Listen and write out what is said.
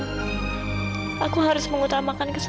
saat ini aku emang harus bersabar dulu